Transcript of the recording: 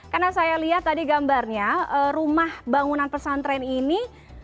karena saya lihat tadi gambarnya rumah bangunan pesantren ini